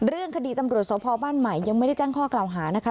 เรื่องคดีตำรวจสพบ้านใหม่ยังไม่ได้แจ้งข้อกล่าวหานะคะ